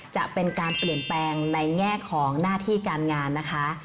จะเป็นการเปลี่ยนแปลงในแง่ของหน้าที่การงานนะคะ